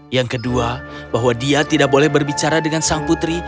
yang kedua bahwa dia tidak boleh berbicara dengan sang putri